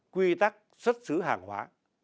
quy tắc xuất xứ hàng hóa